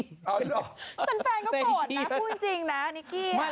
แต่แฟนก็โกรธนะพูดจริงนะนิกกี้